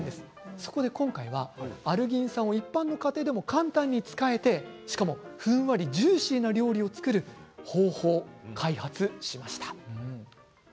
そこで今回はアルギン酸も一般の家庭でも簡単に使えてしかもふんわりとジューシーな料理を作れる方法を開発しました。